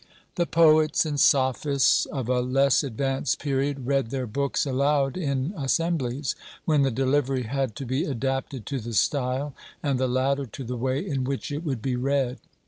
The poets and sophists of a less advanced period read their books aloud in assemblies, when the delivery had to be adapted to the style and the latter to the way in which it would be read.